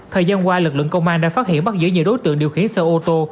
thời gian qua lực lượng công an đã phát hiện bắt giữ nhiều đối tượng điều khiển xe ô tô